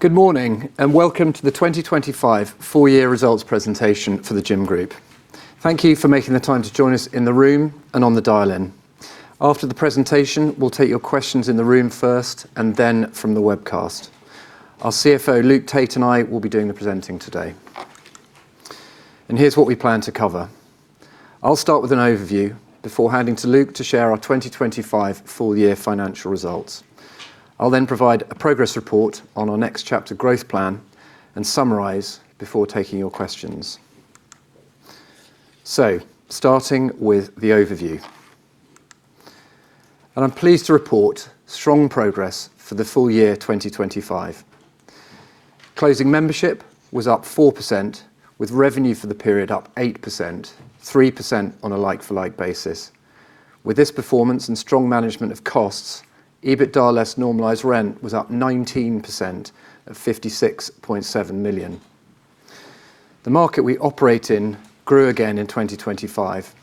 Good morning, and welcome to the 2025 Full-Year Results Presentation for The Gym Group. Thank you for making the time to join us in the room and on the dial-in. After the presentation, we'll take your questions in the room first and then from the webcast. Our CFO, Luke Tait, and I will be doing the presenting today. Here's what we plan to cover. I'll start with an overview before handing to Luke to share our 2025 Full-Year Financial Results. I'll then provide a progress report on our Next Chapter growth plan and summarize before taking your questions. Starting with the overview. I'm pleased to report strong progress for the full year 2025. Closing membership was up 4% with revenue for the period up 8%, 3% on a like-for-like basis. With this performance and strong management of costs, EBITDA less normalized rent was up 19% at 56.7 million. The market we operate in grew again in 2025.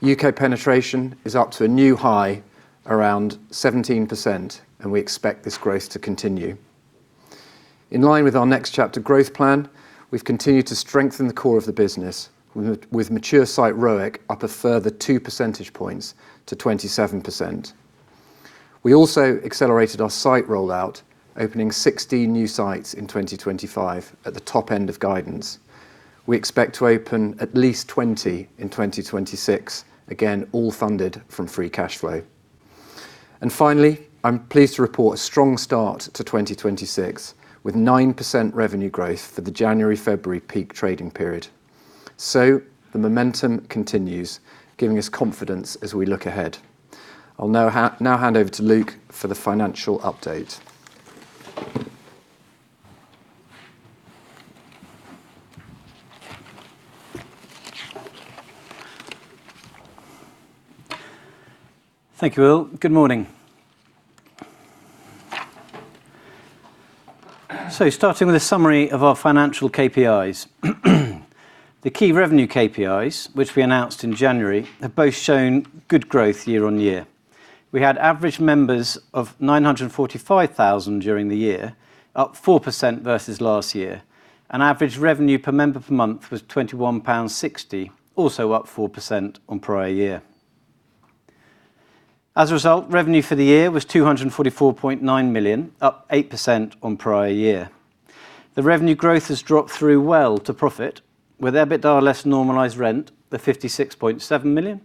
U.K. penetration is up to a new high around 17%, and we expect this growth to continue. In line with our Next Chapter growth plan, we've continued to strengthen the core of the business with mature site ROIC up a further two percentage points to 27%. We also accelerated our site rollout, opening 16 new sites in 2025 at the top end of guidance. We expect to open at least 20 in 2026, again, all funded from free cash flow. Finally, I'm pleased to report a strong start to 2026 with 9% revenue growth for the January, February peak trading period. The momentum continues, giving us confidence as we look ahead. I'll now hand over to Luke for the financial update. Thank you, Will. Good morning. Starting with a summary of our financial KPIs. The key revenue KPIs, which we announced in January, have both shown good growth year-on-year. We had average members of 945,000 during the year, up 4% versus last year. Average revenue per member per month was 21.60 pound, also up 4% on prior year. As a result, revenue for the year was 244.9 million, up 8% on prior year. The revenue growth has dropped through well to profit, with EBITDA less normalized rent at 56.7 million,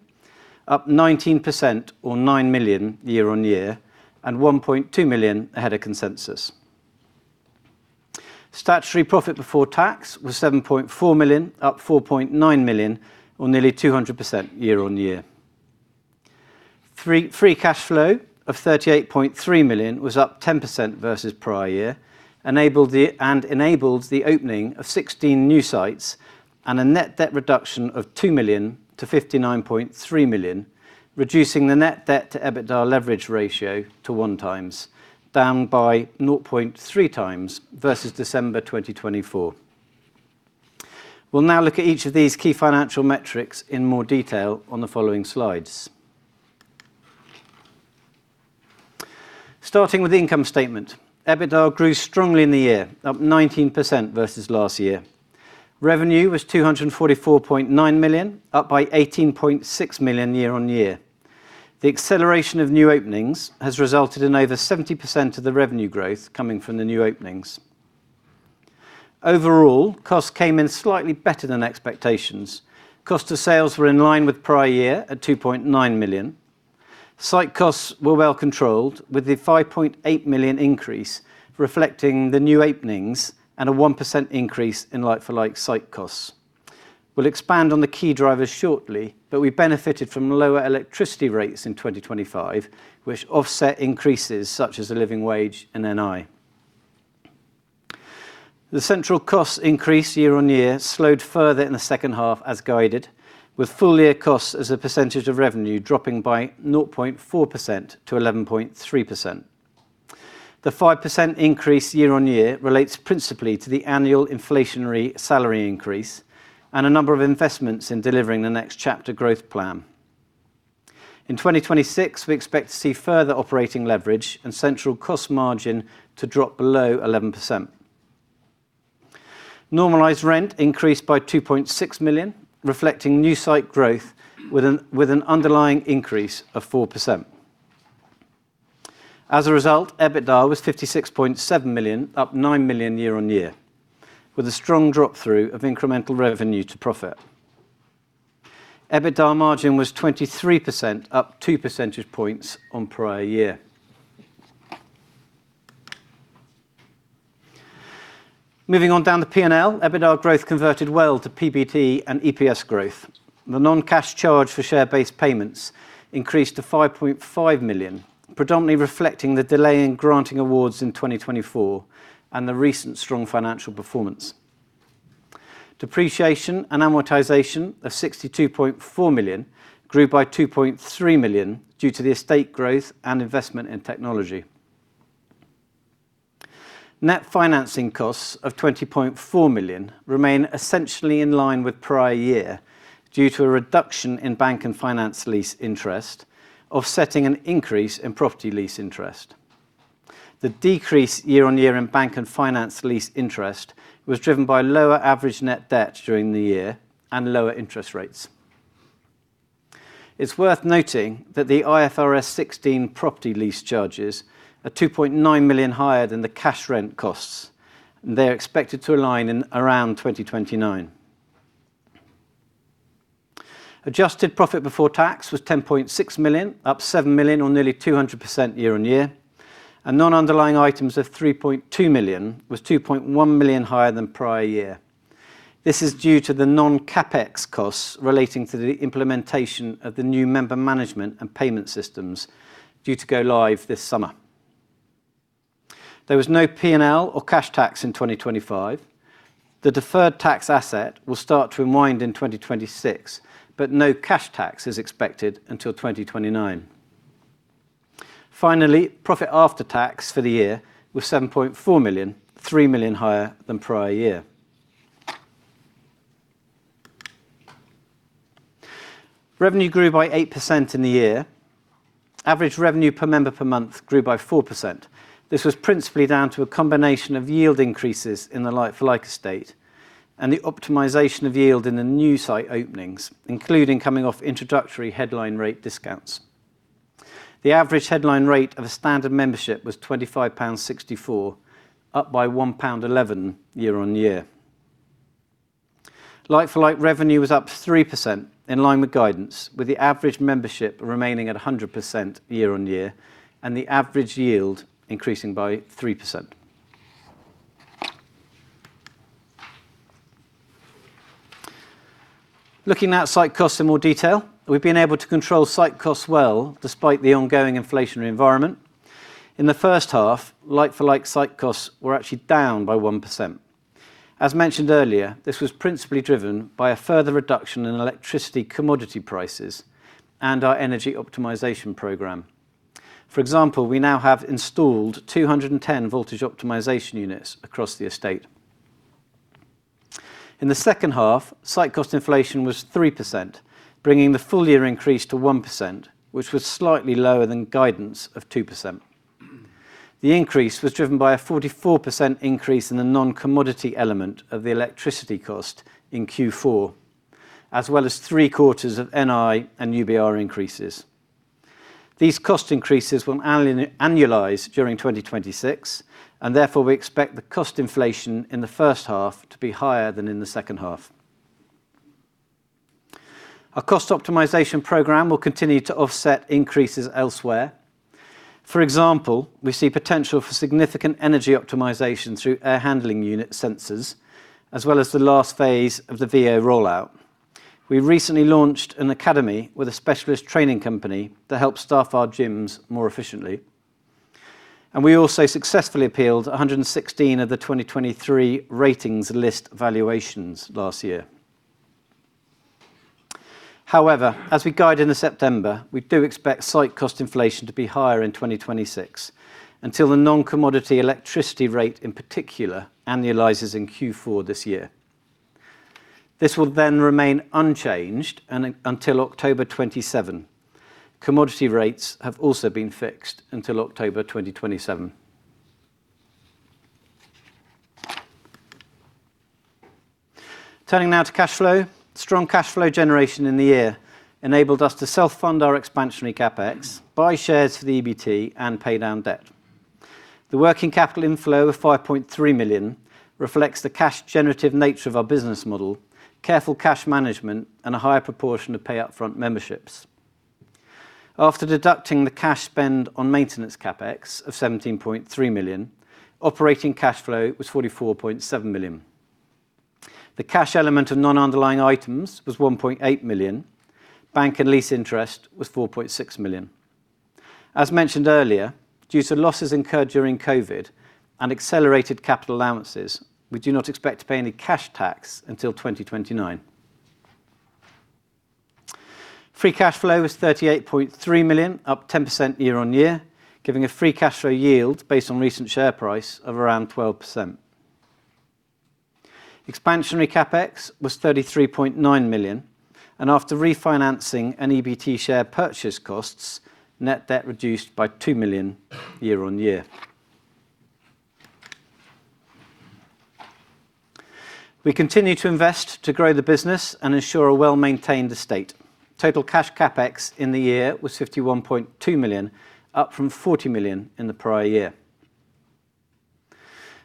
up 19% or 9 million year-on-year and 1.2 million ahead of consensus. Statutory profit before tax was 7.4 million, up 4.9 million or nearly 200% year-on-year. Free cash flow of 38.3 million was up 10% versus prior year, enabled the opening of 16 new sites and a net debt reduction of 2 million to 59.3 million, reducing the net debt to EBITDA leverage ratio to 1x, down by 0.3x versus December 2024. We'll now look at each of these key financial metrics in more detail on the following slides. Starting with the income statement. EBITDA grew strongly in the year, up 19% versus last year. Revenue was 244.9 million, up by 18.6 million year-on-year. The acceleration of new openings has resulted in over 70% of the revenue growth coming from the new openings. Overall, costs came in slightly better than expectations. Cost of sales were in line with prior year at 2.9 million. Site costs were well controlled, with the 5.8 million increase reflecting the new openings and a 1% increase in like-for-like site costs. We'll expand on the key drivers shortly, but we benefited from lower electricity rates in 2025, which offset increases such as the living wage and NI. The central costs increase year on year slowed further in the H2 as guided, with full year costs as a percentage of revenue dropping by 0.4% to 11.3%. The 5% increase year on year relates principally to the annual inflationary salary increase and a number of investments in delivering the Next Chapter growth plan. In 2026, we expect to see further operating leverage and central cost margin to drop below 11%. Normalized rent increased by 2.6 million, reflecting new site growth with an underlying increase of 4%. As a result, EBITDA was 56.7 million, up 9 million year-over-year, with a strong drop through of incremental revenue to profit. EBITDA margin was 23%, up 2 percentage points on prior year. Moving on down the P&L, EBITDA growth converted well to PBT and EPS growth. The non-cash charge for share-based payments increased to 5.5 million, predominantly reflecting the delay in granting awards in 2024 and the recent strong financial performance. Depreciation and amortization of 62.4 million grew by 2.3 million due to the estate growth and investment in technology. Net financing costs of 20.4 million remain essentially in line with prior year due to a reduction in bank and finance lease interest, offsetting an increase in property lease interest. The decrease year-on-year in bank and finance lease interest was driven by lower average net debt during the year and lower interest rates. It's worth noting that the IFRS 16 property lease charges are 2.9 million higher than the cash rent costs. They're expected to align in around 2029. Adjusted profit before tax was 10.6 million, up 7 million or nearly 200% year-on-year, and non-underlying items of 3.2 million was 2.1 million higher than prior year. This is due to the non-CapEx costs relating to the implementation of the new member management and payment systems due to go live this summer. There was no P&L or cash tax in 2025. The deferred tax asset will start to unwind in 2026, but no cash tax is expected until 2029. Profit after tax for the year was 7.4 million, 3 million higher than prior year. Revenue grew by 8% in the year. Average revenue per member per month grew by 4%. This was principally down to a combination of yield increases in the like-for-like estate and the optimization of yield in the new site openings, including coming off introductory headline rate discounts. The average headline rate of a standard membership was 25.64 pounds, up by 1.11 pound year on year. Like-for-like revenue was up 3% in line with guidance, with the average membership remaining at 100% year on year and the average yield increasing by 3%. Looking at site costs in more detail, we've been able to control site costs well despite the ongoing inflationary environment. In the H1, like for like site costs were actually down by 1%. As mentioned earlier, this was principally driven by a further reduction in electricity commodity prices and our energy optimization program. For example, we now have installed 210 voltage optimization units across the estate. In the H2, site cost inflation was 3%, bringing the full year increase to 1%, which was slightly lower than guidance of 2%. The increase was driven by a 44% increase in the non-commodity element of the electricity cost in Q4, as well as three-quarters of NI and UBR increases. These cost increases will annualize during 2026, and therefore we expect the cost inflation in the H1 to be higher than in the H2. Our cost optimization program will continue to offset increases elsewhere. For example, we see potential for significant energy optimization through air handling unit sensors as well as the last phase of the VO rollout. We recently launched an academy with a specialist training company to help staff our gyms more efficiently, and we also successfully appealed 116 of the 2023 ratings list valuations last year. However, as we guide into September, we do expect site cost inflation to be higher in 2026 until the non-commodity electricity rate in particular annualizes in Q4 this year. This will then remain unchanged and until October 2027. Commodity rates have also been fixed until October 2027. Turning now to cash flow. Strong cash flow generation in the year enabled us to self-fund our expansionary CapEx, buy shares for the EBT and pay down debt. The working capital inflow of 5.3 million reflects the cash generative nature of our business model, careful cash management and a higher proportion of pay upfront memberships. After deducting the cash spend on maintenance CapEx of 17.3 million, operating cash flow was 44.7 million. The cash element of non-underlying items was 1.8 million. Bank and lease interest was 4.6 million. As mentioned earlier, due to losses incurred during COVID and accelerated capital allowances, we do not expect to pay any cash tax until 2029. Free cash flow is 38.3 million, up 10% year-on-year, giving a free cash flow yield based on recent share price of around 12%. Expansionary CapEx was 33.9 million and after refinancing an EBT share purchase costs, net debt reduced by 2 million year-on-year. We continue to invest to grow the business and ensure a well-maintained estate. Total cash CapEx in the year was 51.2 million, up from 40 million in the prior year.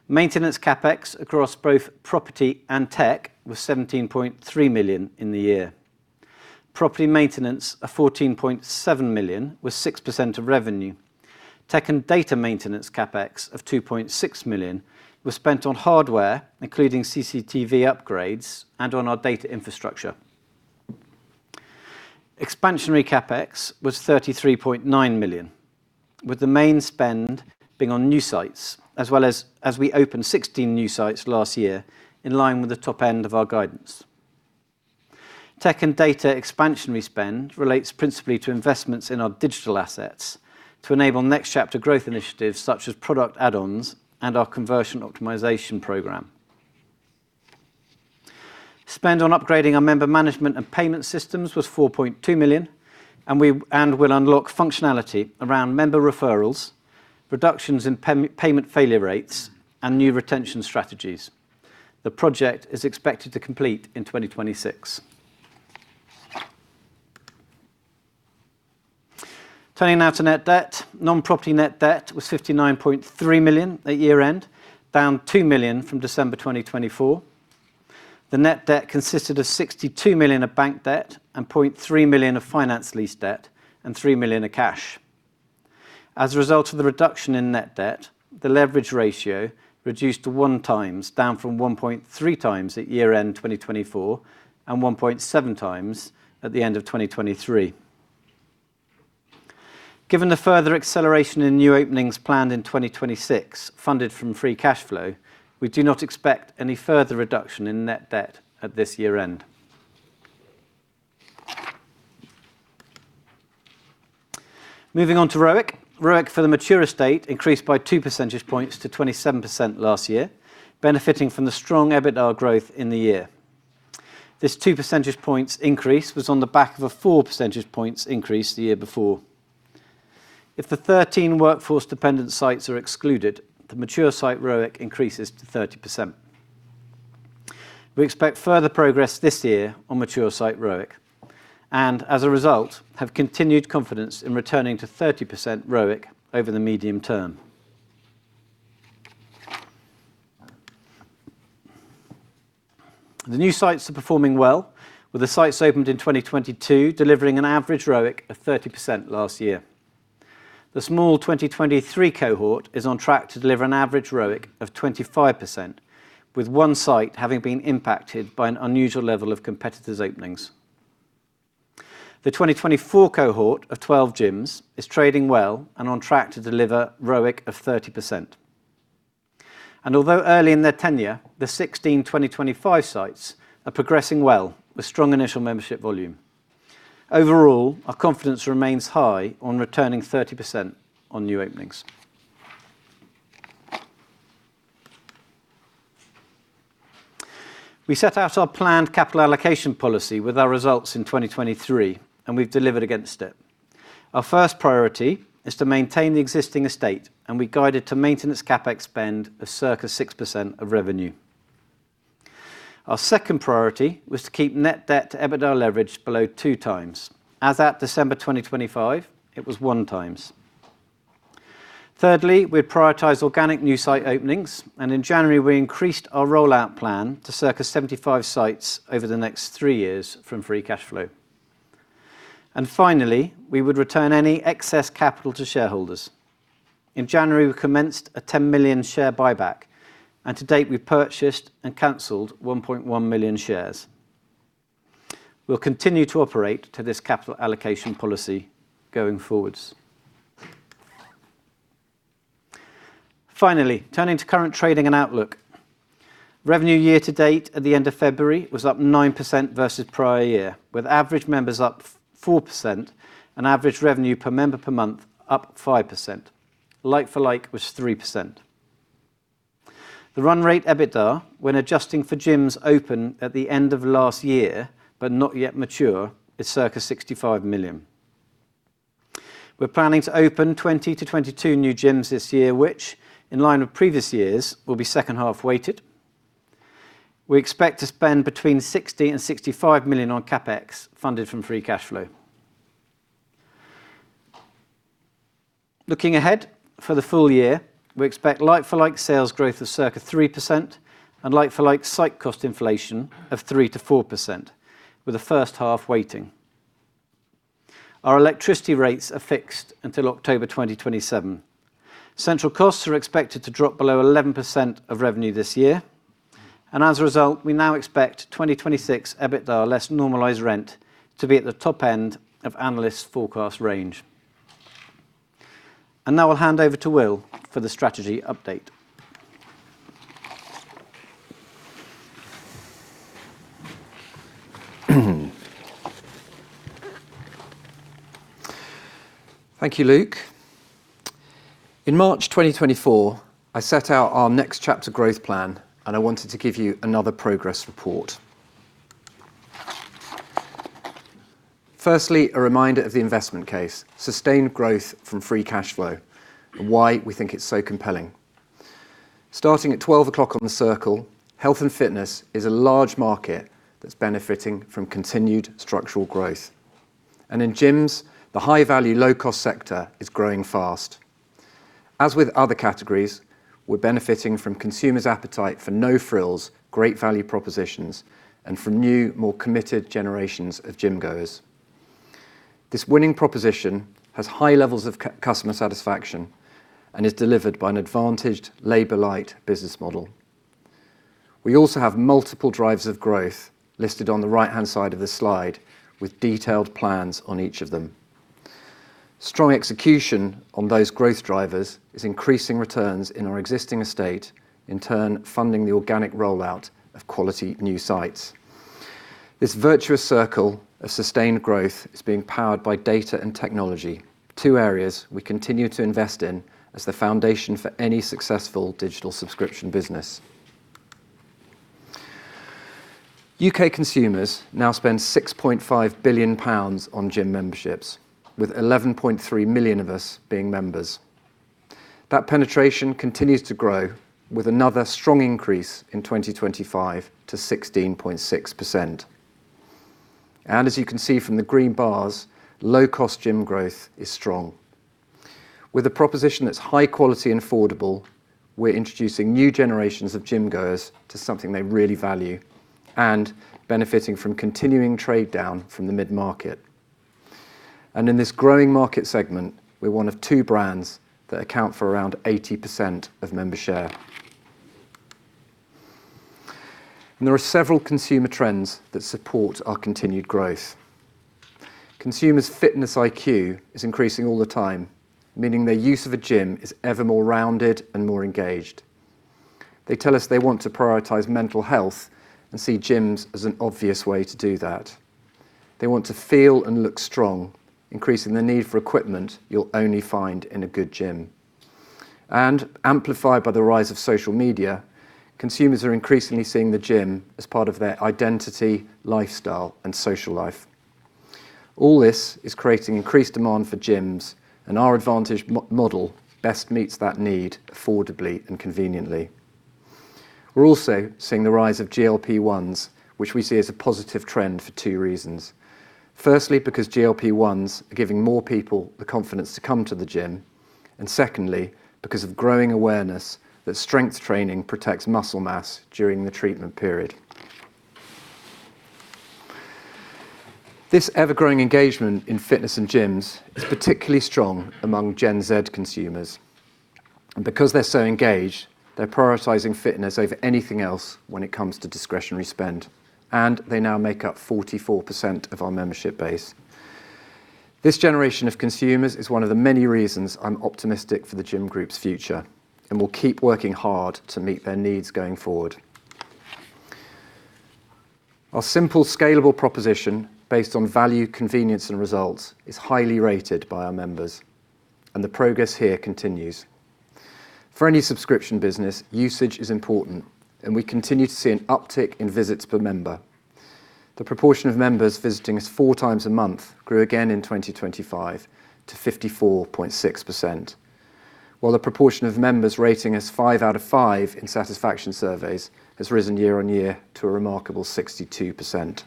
Maintenance CapEx across both property and tech was 17.3 million in the year. Property maintenance of 14.7 million was 6% of revenue. Tech and data maintenance CapEx of 2.6 million was spent on hardware including CCTV upgrades and on our data infrastructure. Expansionary CapEx was 33.9 million, with the main spend being on new sites as well as we opened 16 new sites last year in line with the top end of our guidance. Tech and data expansionary spend relates principally to investments in our digital assets to enable Next Chapter growth initiatives such as product add-ons and our conversion optimization program. Spend on upgrading our member management and payment systems was 4.2 million, and will unlock functionality around member referrals, reductions in payment failure rates, and new retention strategies. The project is expected to complete in 2026. Turning now to net debt. Non-property net debt was 59.3 million at year-end, down 2 million from December 2024. The net debt consisted of 62 million of bank debt and 0.3 million of finance lease debt and 3 million of cash. As a result of the reduction in net debt, the leverage ratio reduced to 1x, down from 1.3x at year-end 2024 and 1.7x at the end of 2023. Given the further acceleration in new openings planned in 2026, funded from free cash flow, we do not expect any further reduction in net debt at this year-end. Moving on to ROIC. ROIC for the mature estate increased by two percentage points to 27% last year, benefiting from the strong EBITDA growth in the year. This two percentage points increase was on the back of a four percentage points increase the year before. If the 13 workforce-dependent sites are excluded, the mature site ROIC increases to 30%. We expect further progress this year on mature site ROIC and, as a result, have continued confidence in returning to 30% ROIC over the medium term. The new sites are performing well, with the sites opened in 2022 delivering an average ROIC of 30% last year. The small 2023 cohort is on track to deliver an average ROIC of 25%, with one site having been impacted by an unusual level of competitors' openings. The 2024 cohort of 12 gyms is trading well and on track to deliver ROIC of 30%. Although early in their tenure, the 16 2025 sites are progressing well with strong initial membership volume. Overall, our confidence remains high on returning 30% on new openings. We set out our planned capital allocation policy with our results in 2023, and we've delivered against it. Our first priority is to maintain the existing estate, and we guided to maintenance CapEx spend of circa 6% of revenue. Our second priority was to keep net debt to EBITDA leverage below 2x. As at December 2025, it was 1x. Thirdly, we prioritize organic new site openings, and in January we increased our rollout plan to circa 75 sites over the next three years from free cash flow. Finally, we would return any excess capital to shareholders. In January, we commenced a 10 million share buyback, and to date we've purchased and canceled 1.1 million shares. We'll continue to operate to this capital allocation policy going forward. Finally, turning to current trading and outlook. Revenue year to date at the end of February was up 9% versus prior year, with average members up 4% and average revenue per member per month up 5%. Like-for-like was 3%. The run rate EBITDA, when adjusting for gyms open at the end of last year, but not yet mature, is circa 65 million. We're planning to open 20-22 new gyms this year, which in line with previous years, will be second-half weighted. We expect to spend between 60-65 million on CapEx funded from free cash flow. Looking ahead for the full year, we expect like-for-like sales growth of circa 3% and like-for-like site cost inflation of 3%-4%, with the first-half weighting. Our electricity rates are fixed until October 2027. Central costs are expected to drop below 11% of revenue this year. As a result, we now expect 2026 EBITDA less normalized rent to be at the top end of analysts' forecast range. Now I'll hand over to Will for the strategy update. Thank you, Luke. In March 2024, I set out our Next Chapter growth plan, and I wanted to give you another progress report. Firstly, a reminder of the investment case, sustained growth from free cash flow, and why we think it's so compelling. Starting at twelve o'clock on the circle, health and fitness is a large market that's benefiting from continued structural growth. In gyms, the high-value, low-cost sector is growing fast. As with other categories, we're benefiting from consumers' appetite for no-frills, great value propositions and from new, more committed generations of gym-goers. This winning proposition has high levels of customer satisfaction and is delivered by an advantaged labor light business model. We also have multiple drivers of growth listed on the right-hand side of this slide with detailed plans on each of them. Strong execution on those growth drivers is increasing returns in our existing estate, in turn funding the organic rollout of quality new sites. This virtuous circle of sustained growth is being powered by data and technology, two areas we continue to invest in as the foundation for any successful digital subscription business. U.K. consumers now spend 6.5 billion pounds on gym memberships, with 11.3 million of us being members. That penetration continues to grow with another strong increase in 2025 to 16.6%. As you can see from the green bars, low-cost gym growth is strong. With a proposition that's high quality and affordable, we're introducing new generations of gym-goers to something they really value and benefiting from continuing trade down from the mid-market. In this growing market segment, we're one of two brands that account for around 80% of member share. There are several consumer trends that support our continued growth. Consumers' fitness IQ is increasing all the time, meaning their use of a gym is ever more rounded and more engaged. They tell us they want to prioritize mental health and see gyms as an obvious way to do that. They want to feel and look strong, increasing the need for equipment you'll only find in a good gym. Amplified by the rise of social media, consumers are increasingly seeing the gym as part of their identity, lifestyle, and social life. All this is creating increased demand for gyms, and our advantage model best meets that need affordably and conveniently. We're also seeing the rise of GLP-1s, which we see as a positive trend for two reasons. Firstly, because GLP-1s are giving more people the confidence to come to the gym, and secondly, because of growing awareness that strength training protects muscle mass during the treatment period. This ever-growing engagement in fitness and gyms is particularly strong among Gen Z consumers. Because they're so engaged, they're prioritizing fitness over anything else when it comes to discretionary spend, and they now make up 44% of our membership base. This generation of consumers is one of the many reasons I'm optimistic for The Gym Group's future, and we'll keep working hard to meet their needs going forward. Our simple, scalable proposition based on value, convenience, and results is highly rated by our members, and the progress here continues. For any subscription business, usage is important, and we continue to see an uptick in visits per member. The proportion of members visiting us 4x a month grew again in 2025 to 54.6%, while the proportion of members rating us five out of five in satisfaction surveys has risen year on year to a remarkable 62%.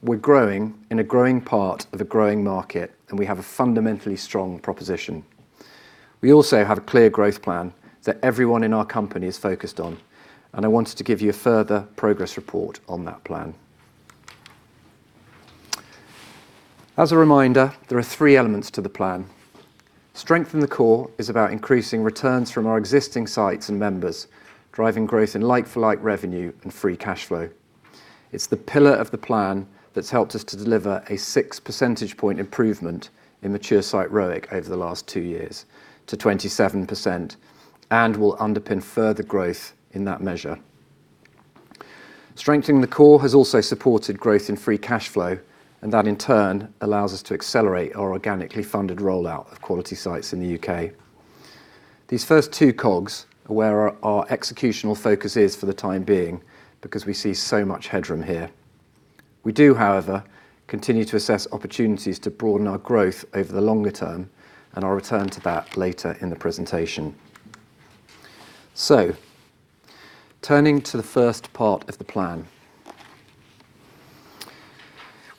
We're growing in a growing part of a growing market, and we have a fundamentally strong proposition. We also have a clear growth plan that everyone in our company is focused on, and I wanted to give you a further progress report on that plan. As a reminder, there are three elements to the plan. Strengthen the core is about increasing returns from our existing sites and members, driving growth in like-for-like revenue and free cash flow. It's the pillar of the plan that's helped us to deliver a six percentage point improvement in mature site ROIC over the last two years to 27% and will underpin further growth in that measure. Strengthening the core has also supported growth in free cash flow, and that in turn allows us to accelerate our organically funded rollout of quality sites in the UK. These first two cogs are where our executional focus is for the time being because we see so much headroom here. We do, however, continue to assess opportunities to broaden our growth over the longer term, and I'll return to that later in the presentation. Turning to the first part of the plan.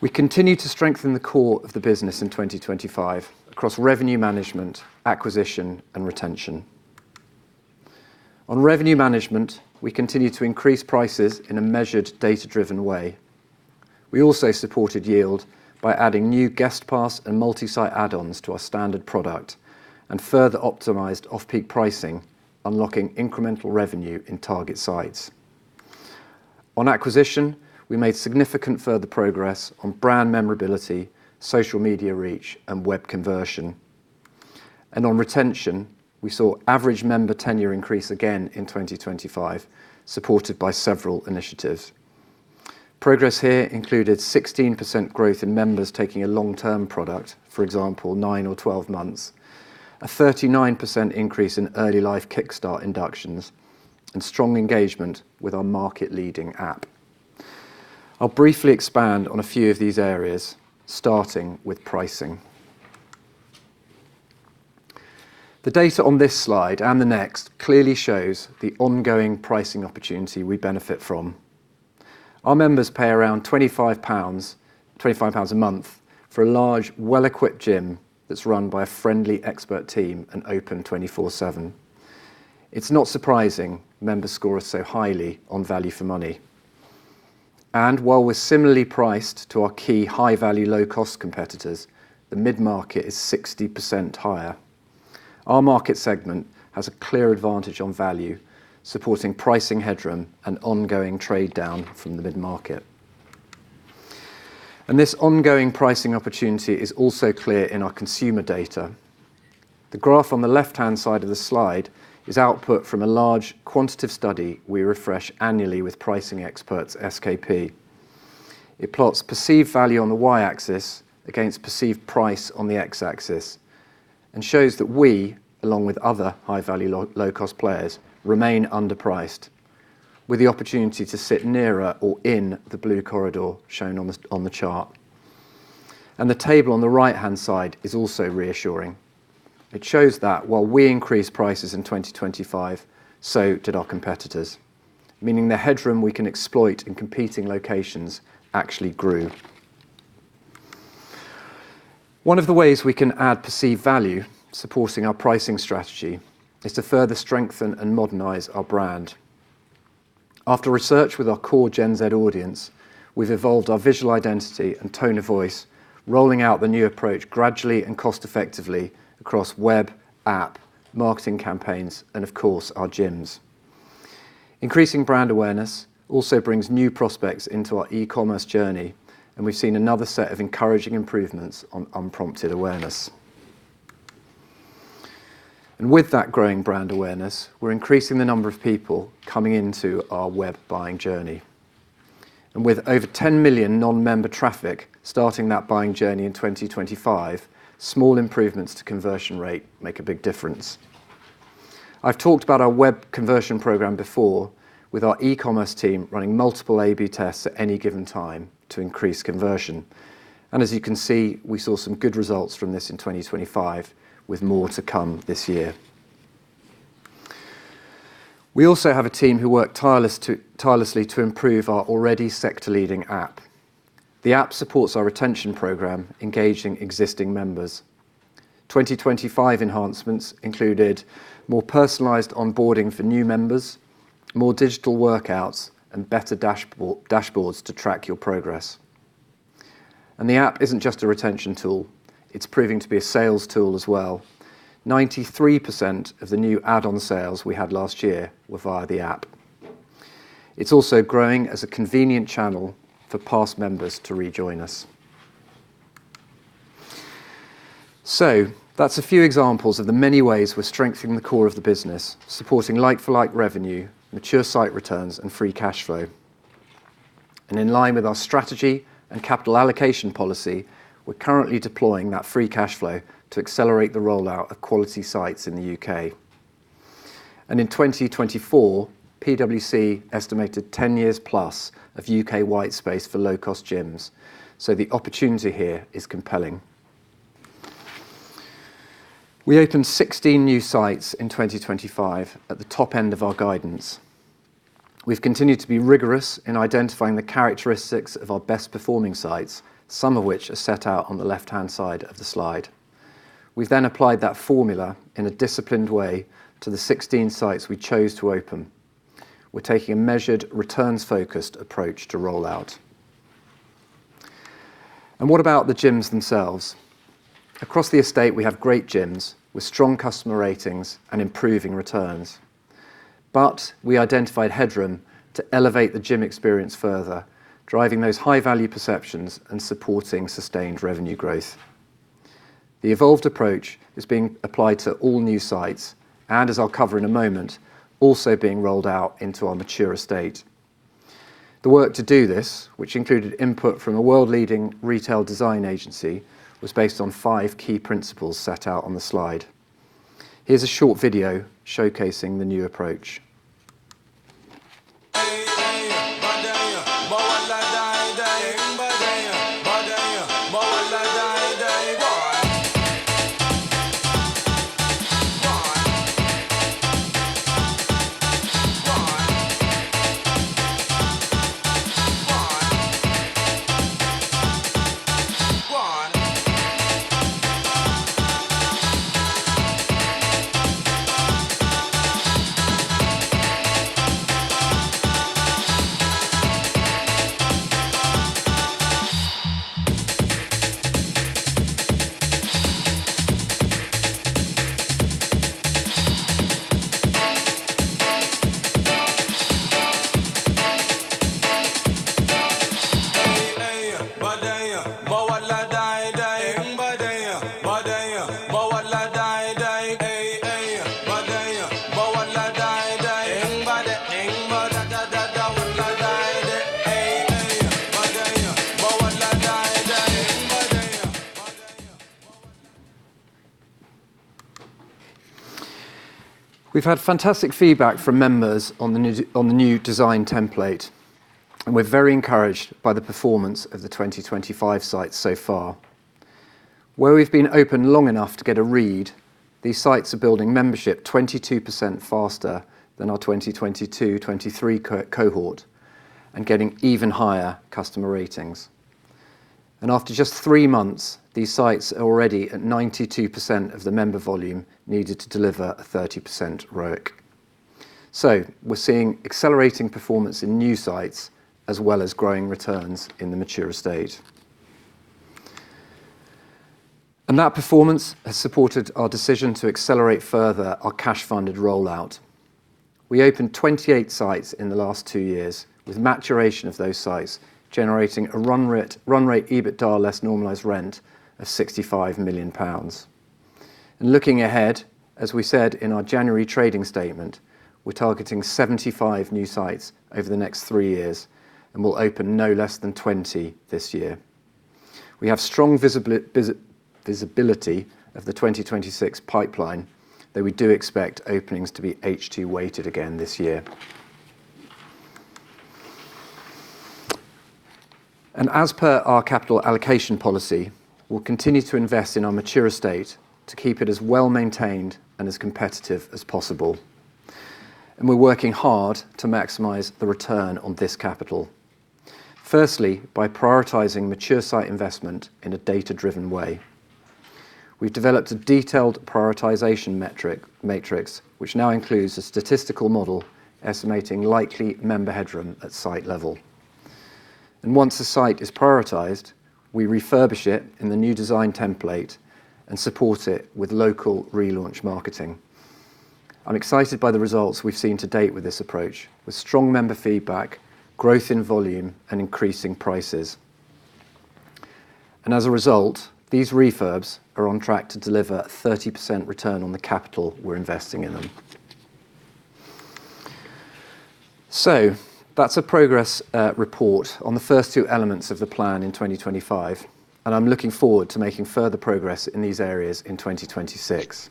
We continue to strengthen the core of the business in 2025 across revenue management, acquisition, and retention. On revenue management, we continue to increase prices in a measured, data-driven way. We also supported yield by adding new guest pass and multi-site add-ons to our standard product and further optimized off-peak pricing, unlocking incremental revenue in target sites. On acquisition, we made significant further progress on brand memorability, social media reach, and web conversion. On retention, we saw average member tenure increase again in 2025, supported by several initiatives. Progress here included 16% growth in members taking a long-term product, for example, nine or 12 months, a 39% increase in early life kickstart inductions, and strong engagement with our market-leading app. I'll briefly expand on a few of these areas, starting with pricing. The data on this slide and the next clearly shows the ongoing pricing opportunity we benefit from. Our members pay around 25 pounds, 25 pounds a month for a large, well-equipped gym that's run by a friendly expert team and open 24/7. It's not surprising members score us so highly on value for money. While we're similarly priced to our key high-value, low-cost competitors, the mid-market is 60% higher. Our market segment has a clear advantage on value, supporting pricing headroom and ongoing trade down from the mid-market. This ongoing pricing opportunity is also clear in our consumer data. The graph on the left-hand side of the slide is output from a large quantitative study we refresh annually with pricing experts, SK&P. It plots perceived value on the Y-axis against perceived price on the X-axis and shows that we, along with other high-value, low cost players, remain underpriced with the opportunity to sit nearer or in the blue corridor shown on the chart. The table on the right-hand side is also reassuring. It shows that while we increased prices in 2025, so did our competitors, meaning the headroom we can exploit in competing locations actually grew. One of the ways we can add perceived value supporting our pricing strategy is to further strengthen and modernize our brand. After research with our core Gen Z audience, we've evolved our visual identity and tone of voice, rolling out the new approach gradually and cost-effectively across web, app, marketing campaigns, and of course, our gyms. Increasing brand awareness also brings new prospects into our e-commerce journey, and we've seen another set of encouraging improvements on unprompted awareness. With that growing brand awareness, we're increasing the number of people coming into our web buying journey. With over 10 million non-member traffic starting that buying journey in 2025, small improvements to conversion rate make a big difference. I've talked about our web conversion program before with our e-commerce team running multiple A/B tests at any given time to increase conversion. As you can see, we saw some good results from this in 2025, with more to come this year. We also have a team who work tirelessly to improve our already sector-leading app. The App supports our retention program, engaging existing members. 2025 enhancements included more personalized onboarding for new members, more digital workouts, and better dashboard, dashboards to track your progress. The App isn't just a retention tool, it's proving to be a sales tool as well. 93% of the new add-on sales we had last year were via the app. It's also growing as a convenient channel for past members to rejoin us. That's a few examples of the many ways we're strengthening the core of the business, supporting like-for-like revenue, mature site returns, and free cash flow. In line with our strategy and capital allocation policy, we're currently deploying that free cash flow to accelerate the rollout of quality sites in the UK. In 2024, PwC estimated 10 years plus of UK-wide space for low-cost gyms. The opportunity here is compelling. We opened 16 new sites in 2025 at the top end of our guidance. We've continued to be rigorous in identifying the characteristics of our best performing sites, some of which are set out on the left-hand side of the slide. We've then applied that formula in a disciplined way to the 16 sites we chose to open. We're taking a measured, returns-focused approach to rollout. What about the gyms themselves? Across the estate, we have great gyms with strong customer ratings and improving returns. We identified headroom to elevate the gym experience further, driving those high-value perceptions and supporting sustained revenue growth. The evolved approach is being applied to all new sites and, as I'll cover in a moment, also being rolled out into our mature estate. The work to do this, which included input from a world-leading retail design agency, was based on five key principles set out on the slide. Here's a short video showcasing the new approach. We've had fantastic feedback from members on the new design template, and we're very encouraged by the performance of the 2025 sites so far. Where we've been open long enough to get a read, these sites are building membership 22% faster than our 2022, 2023 cohort and getting even higher customer ratings. After just three months, these sites are already at 92% of the member volume needed to deliver a 30% ROIC. We're seeing accelerating performance in new sites as well as growing returns in the mature estate. That performance has supported our decision to accelerate further our cash-funded rollout. We opened 28 sites in the last two years, with maturation of those sites generating a run rate EBITDAR less normalized rent of 65 million pounds. Looking ahead, as we said in our January trading statement, we're targeting 75 new sites over the next three years and will open no less than 20 this year. We have strong visibility of the 2026 pipeline, though we do expect openings to be H2 weighted again this year. As per our capital allocation policy, we'll continue to invest in our mature estate to keep it as well-maintained and as competitive as possible. We're working hard to maximize the return on this capital. Firstly, by prioritizing mature site investment in a data-driven way. We've developed a detailed prioritization matrix, which now includes a statistical model estimating likely member headroom at site level. Once a site is prioritized, we refurbish it in the new design template and support it with local relaunch marketing. I'm excited by the results we've seen to date with this approach, with strong member feedback, growth in volume, and increasing prices. As a result, these refurbs are on track to deliver a 30% return on the capital we're investing in them. That's a progress report on the first two elements of the plan in 2025, and I'm looking forward to making further progress in these areas in 2026.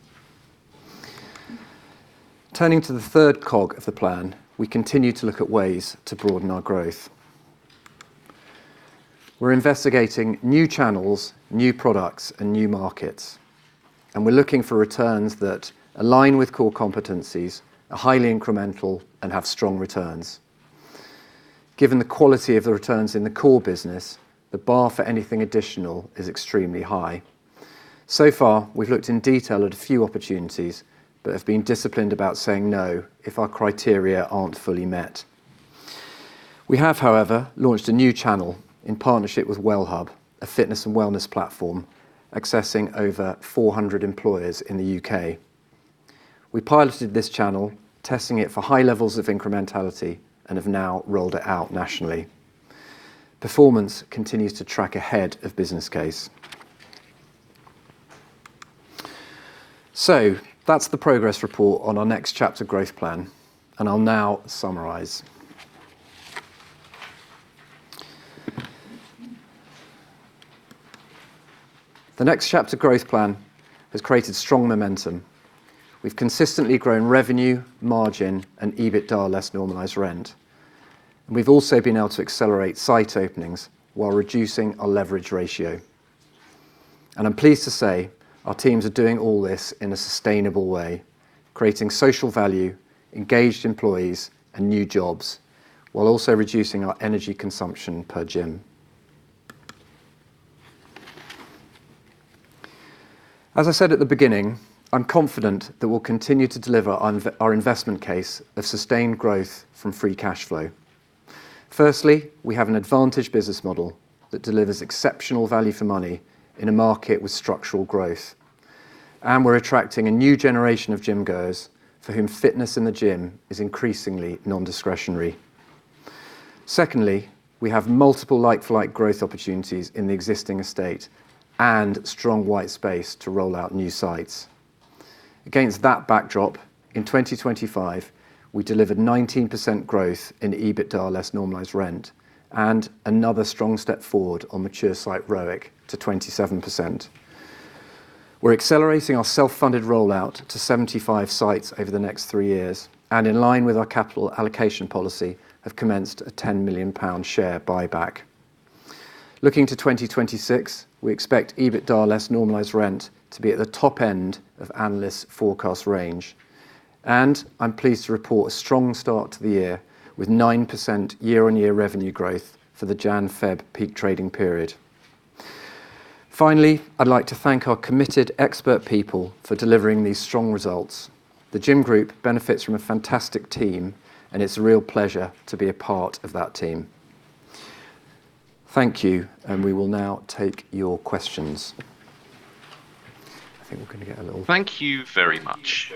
Turning to the third cog of the plan, we continue to look at ways to broaden our growth. We're investigating new channels, new products, and new markets, and we're looking for returns that align with core competencies, are highly incremental, and have strong returns. Given the quality of the returns in the core business, the bar for anything additional is extremely high. So far, we've looked in detail at a few opportunities but have been disciplined about saying no if our criteria aren't fully met. We have, however, launched a new channel in partnership with Wellhub, a fitness and wellness platform accessing over 400 employers in the UK. We piloted this channel, testing it for high levels of incrementality, and have now rolled it out nationally. Performance continues to track ahead of business case. That's the progress report on our Next Chapter growth plan, and I'll now summarize. The Next Chapter growth plan has created strong momentum. We've consistently grown revenue, margin, and EBITDAR less normalized rent. We've also been able to accelerate site openings while reducing our leverage ratio. I'm pleased to say our teams are doing all this in a sustainable way, creating social value, engaged employees, and new jobs, while also reducing our energy consumption per gym. As I said at the beginning, I'm confident that we'll continue to deliver on our investment case of sustained growth from free cash flow. Firstly, we have an advantage business model that delivers exceptional value for money in a market with structural growth, and we're attracting a new generation of gym-goers for whom fitness in the gym is increasingly non-discretionary. Secondly, we have multiple like-for-like growth opportunities in the existing estate and strong white space to roll out new sites. Against that backdrop, in 2025, we delivered 19% growth in EBITDAR less normalized rent and another strong step forward on mature site ROIC to 27%. We're accelerating our self-funded rollout to 75 sites over the next three years and, in line with our capital allocation policy, have commenced a 10 million pound share buyback. Looking to 2026, we expect EBITDAR less normalized rent to be at the top end of analysts' forecast range. I'm pleased to report a strong start to the year, with 9% year-on-year revenue growth for the Jan-Feb peak trading period. Finally, I'd like to thank our committed expert people for delivering these strong results. The Gym Group benefits from a fantastic team, and it's a real pleasure to be a part of that team. Thank you, and we will now take your questions. Thank you very much.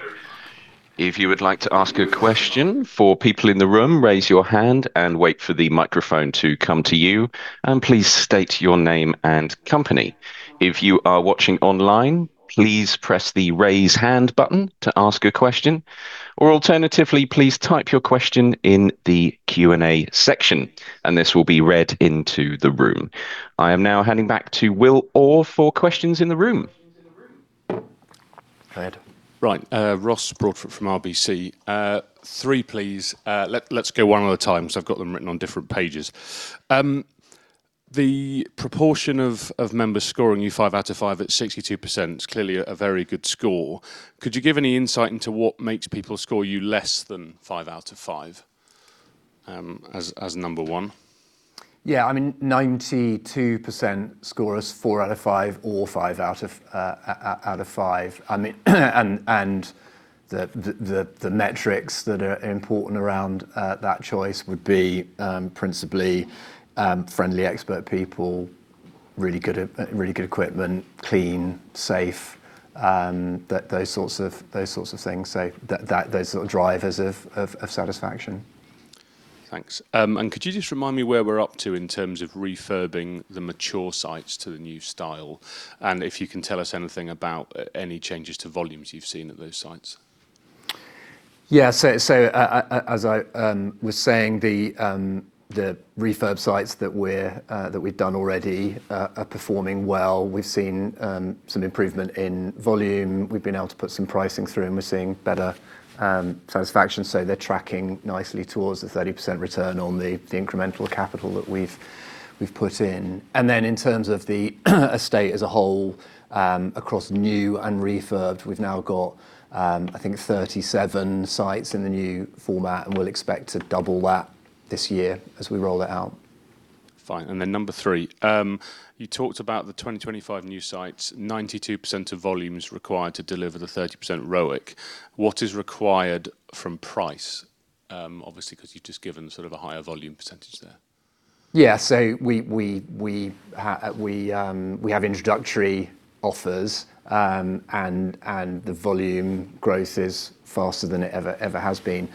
If you would like to ask a question, for people in the room, raise your hand and wait for the microphone to come to you, and please state your name and company. If you are watching online, please press the Raise Hand button to ask a question. Or alternatively, please type your question in the Q&A section, and this will be read into the room. I am now handing back to Will Orr for questions in the room. Go ahead. Right. Ross Broadfoot from RBC. Three please. Let's go one at a time, so I've got them written on different pages. The proportion of members scoring you five out of five at 62% is clearly a very good score. Could you give any insight into what makes people score you less than five out of five? As number one. Yeah. I mean, 92% score us four out of five or five out of five. I mean, the metrics that are important around that choice would be principally friendly, expert people, really good equipment, clean, safe, those sorts of things so that those sort of drivers of satisfaction. Thanks. Could you just remind me where we're up to in terms of refurbing the mature sites to the new style? If you can tell us anything about any changes to volumes you've seen at those sites. Yeah. As I was saying, the refurb sites that we've done already are performing well. We've seen some improvement in volume. We've been able to put some pricing through, and we're seeing better satisfaction. They're tracking nicely towards the 30% return on the incremental capital that we've put in. In terms of the estate as a whole, across new and refurbed, we've now got, I think, 37 sites in the new format, and we'll expect to double that this year as we roll it out. Fine. Number three. You talked about the 2025 new sites, 92% of volume is required to deliver the 30% ROIC. What is required from price? Obviously, 'cause you've just given sort of a higher volume percentage there. Yeah. We have introductory offers, and the volume growth is faster than it ever has been.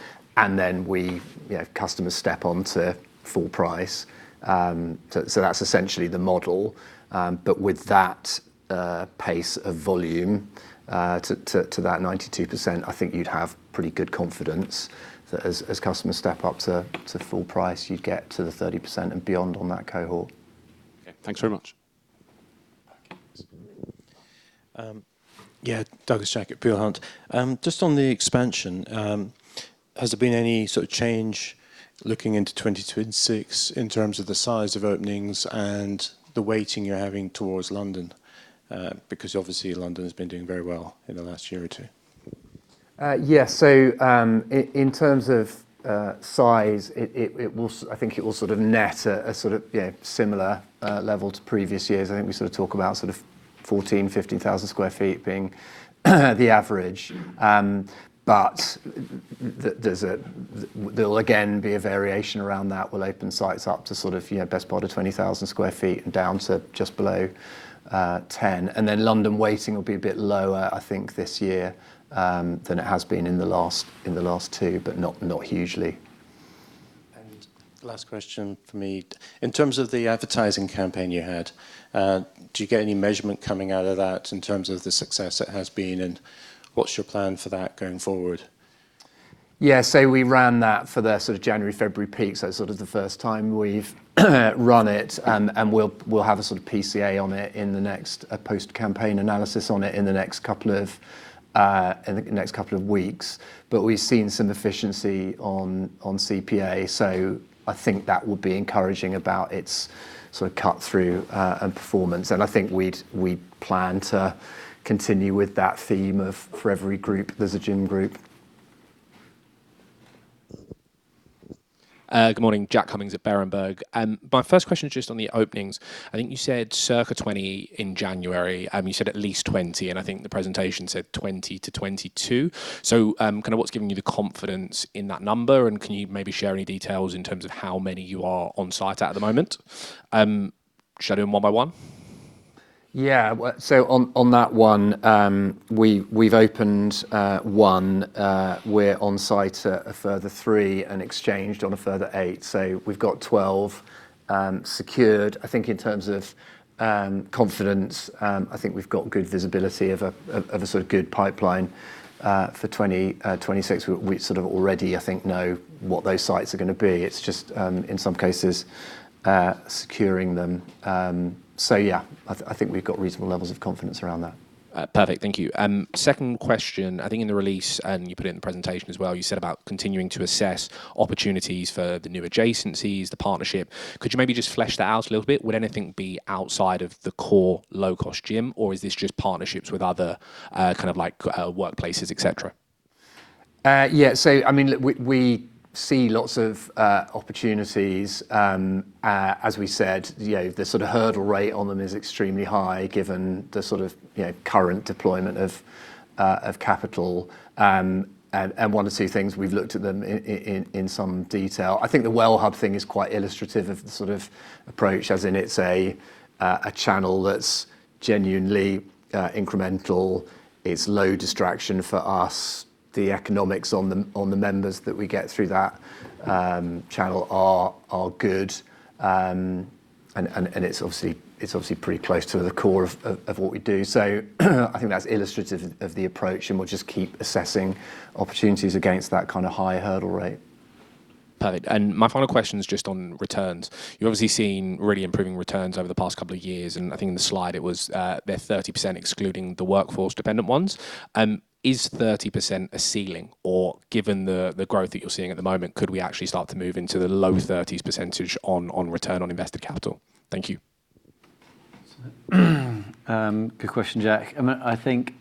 We, you know, customers step on to full price. That's essentially the model. With that pace of volume to that 92%, I think you'd have pretty good confidence that as customers step up to full price, you'd get to the 30% and beyond on that cohort. Okay. Thanks very much. Okay. Yes. Yeah, Douglas Jack at Peel Hunt. Just on the expansion, has there been any sort of change looking into 2026 in terms of the size of openings and the weighting you're having towards London? Because obviously London has been doing very well in the last year or two. Yes. In terms of size, it will sort of net a sort of, you know, similar level to previous years. I think we sort of talk about sort of 14,000-15,000 sq ft being the average. There's again a variation around that. We'll open sites up to sort of, you know, best part of 20,000 sq ft and down to just below 10. Then London weighting will be a bit lower, I think, this year, than it has been in the last two, but not hugely. Last question for me. In terms of the advertising campaign you had, do you get any measurement coming out of that in terms of the success it has been, and what's your plan for that going forward? Yeah. We ran that for the sort of January, February peak, so sort of the first time we've run it. We'll have a sort of PCA on it, post campaign analysis, in the next couple of weeks. We've seen some efficiency on CPA, so I think that would be encouraging about its sort of cut through and performance. I think we plan to continue with that theme of, for every group, there's a Gym Group. Good morning. Jack Cummings at Berenberg. My first question is just on the openings. I think you said circa 20 in January, you said at least 20, and I think the presentation said 20-22. Kinda what's giving you the confidence in that number, and can you maybe share any details in terms of how many you are on site at the moment? Shall I do them one by one? Yeah. Well, on that one, we've opened one, we're on site at a further three and exchanged on a further eight. We've got 12 secured. I think in terms of confidence, I think we've got good visibility of a sort of good pipeline for 2026. We sort of already, I think, know what those sites are gonna be. It's just in some cases securing them. Yeah, I think we've got reasonable levels of confidence around that. Perfect. Thank you. Second question, I think in the release, and you put it in the presentation as well, you said about continuing to assess opportunities for the new adjacencies, the partnership. Could you maybe just flesh that out a little bit? Would anything be outside of the core low cost gym, or is this just partnerships with other, kind of like, workplaces, et cetera? Yeah. I mean, look, we see lots of opportunities. As we said, you know, the sort of hurdle rate on them is extremely high given the sort of, you know, current deployment of capital. One or two things, we've looked at them in some detail. I think the Wellhub thing is quite illustrative of the sort of approach, as in it's a channel that's genuinely incremental. It's low distraction for us. The economics on the members that we get through that channel are good. It's obviously pretty close to the core of what we do. I think that's illustrative of the approach, and we'll just keep assessing opportunities against that kind of high hurdle rate. Perfect. My final question is just on returns. You've obviously seen really improving returns over the past couple of years, and I think in the slide it was, they're 30% excluding the workforce dependent ones. Is 30% a ceiling, or given the growth that you're seeing at the moment, could we actually start to move into the low 30s% on return on invested capital? Thank you. Good question, Jack. I think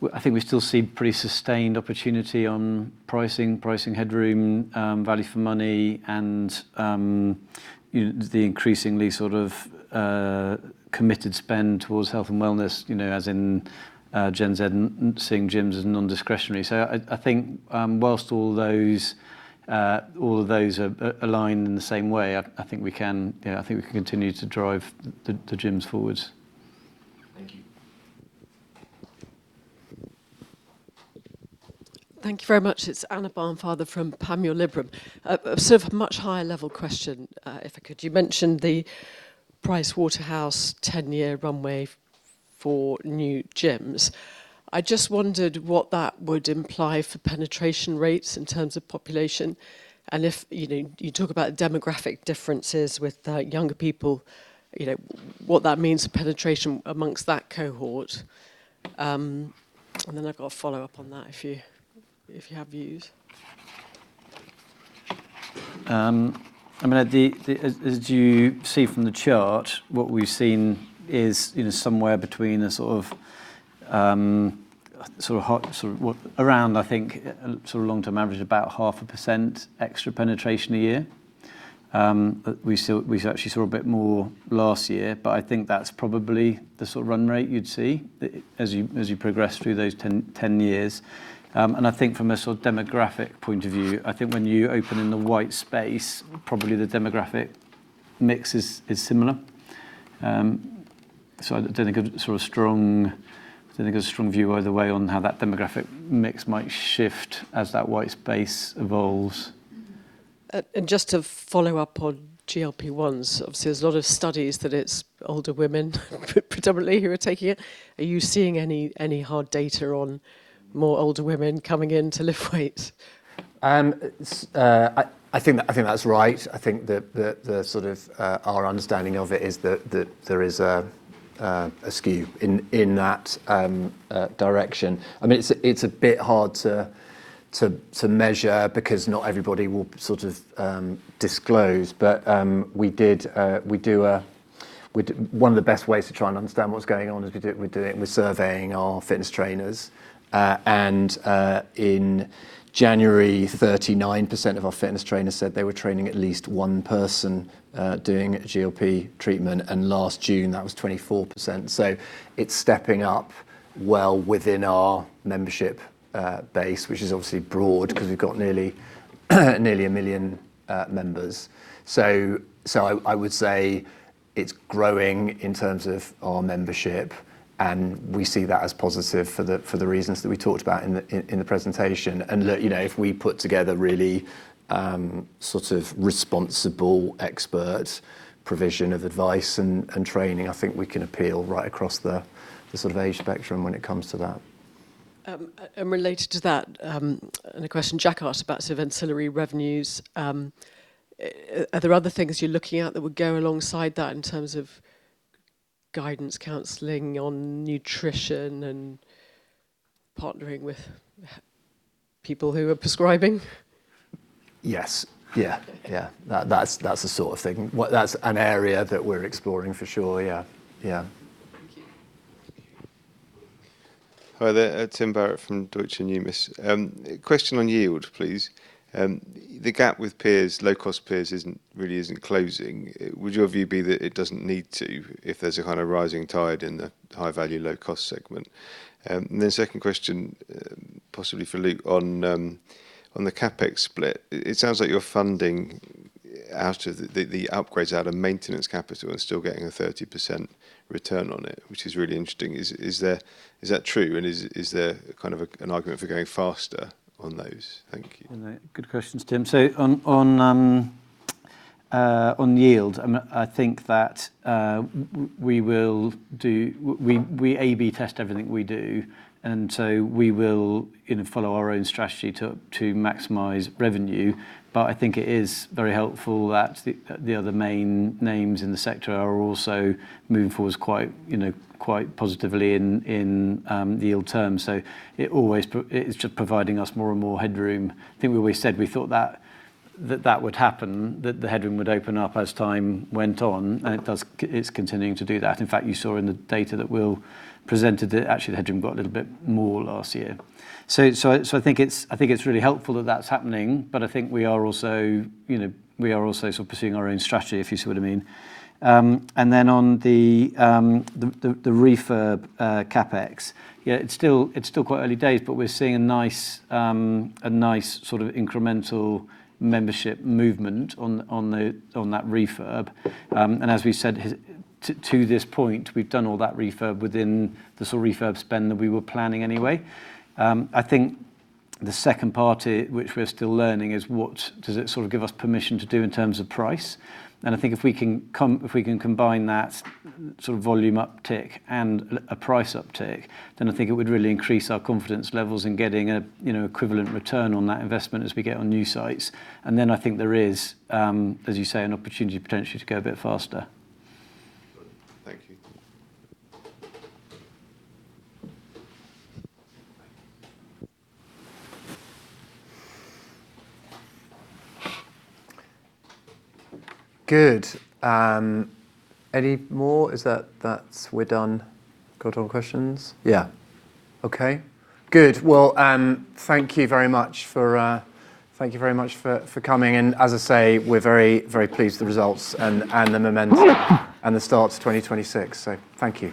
we still see pretty sustained opportunity on pricing headroom, value for money and, you know, the increasingly sort of committed spend towards health and wellness, you know, as in Gen Z seeing gyms as non-discretionary. I think while all of those are aligned in the same way, I think we can continue to drive the gyms forward. Thank you very much. It's Anna Barnfather from Panmure Liberum. A sort of a much higher level question, if I could. You mentioned the Pricewaterhouse ten-year runway for new gyms. I just wondered what that would imply for penetration rates in terms of population, and if, you know, you talk about demographic differences with younger people, you know, what that means for penetration amongst that cohort. And then I've got a follow-up on that if you have views. I mean, as you see from the chart, what we've seen is, you know, somewhere between a sort of long-term average, around, I think, sort of about 0.5% extra penetration a year. We actually saw a bit more last year, but I think that's probably the sort of run rate you'd see as you progress through those 10 years. I think from a sort of demographic point of view, I think when you open in the white space, probably the demographic mix is similar. I don't think a strong view either way on how that demographic mix might shift as that white space evolves. Just to follow up on GLP-1s, obviously, there's a lot of studies that it's older women predominantly who are taking it. Are you seeing any hard data on more older women coming in to lift weights? I think that's right. I think that's sort of our understanding of it is that there is a skew in that direction. I mean, it's a bit hard to measure because not everybody will sort of disclose. One of the best ways to try and understand what's going on is we're surveying our fitness trainers. In January, 39% of our fitness trainers said they were training at least one person doing GLP treatment, and last June, that was 24%. It's stepping up well within our membership base, which is obviously broad because we've got nearly 1 million members. I would say it's growing in terms of our membership, and we see that as positive for the reasons that we talked about in the presentation. Look, you know, if we put together really sort of responsible expert provision of advice and training, I think we can appeal right across the sort of age spectrum when it comes to that. Related to that, and a question Jack asked about sort of ancillary revenues, are there other things you're looking at that would go alongside that in terms of guidance counseling on nutrition and partnering with people who are prescribing? Yes. Yeah. Okay. Yeah. That's the sort of thing. That's an area that we're exploring for sure. Yeah. Yeah. Thank you. Hi there. Tim Barrett from Deutsche Numis. Question on yield, please. The gap with peers, low-cost peers isn't really closing. Would your view be that it doesn't need to if there's a kind of rising tide in the high value, low cost segment? Second question, possibly for Luke, on the CapEx split. It sounds like you're funding the upgrades out of maintenance capital and still getting a 30% return on it, which is really interesting. Is that true, and is there kind of an argument for going faster on those? Thank you. All right. Good questions, Tim. On yield, I think that we A/B test everything we do, and so we will, you know, follow our own strategy to maximize revenue. I think it is very helpful that the other main names in the sector are also moving forward quite, you know, quite positively in yield terms. It's just providing us more and more headroom. I think we always said we thought that would happen, that the headroom would open up as time went on, and it does. It's continuing to do that. In fact, you saw in the data that Will presented that actually the headroom got a little bit more last year. I think it's really helpful that that's happening, but I think we are also, you know, sort of pursuing our own strategy, if you see what I mean. On the refurb CapEx, yeah, it's still quite early days, but we're seeing a nice sort of incremental membership movement on that refurb. As we said to this point, we've done all that refurb within the sort of refurb spend that we were planning anyway. I think the second part which we're still learning is what does it sort of give us permission to do in terms of price. I think if we can combine that sort of volume uptick and a price uptick, then I think it would really increase our confidence levels in getting a, you know, equivalent return on that investment as we get on new sites. I think there is, as you say, an opportunity potentially to go a bit faster. Good. Thank you. Good. Any more? Is that it? That's it, we're done? Got all the questions? Yeah. Okay. Good. Well, thank you very much for coming. As I say, we're very pleased with the results and the momentum and the start to 2026. Thank you.